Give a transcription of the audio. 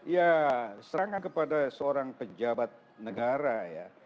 ya serangan kepada seorang pejabat negara ya